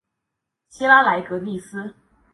希拉莱格利斯。